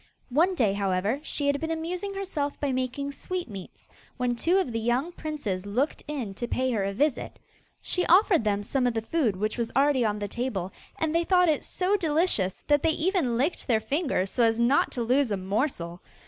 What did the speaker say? One day, however, she had been amusing herself by making sweetmeats, when two of the young princes looked in to pay her a visit. She offered them some of the food which was already on the table, and they thought it so delicious that they even licked their fingers so as not to lose a morsel.